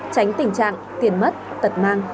tránh tình trạng tiền mất tật mang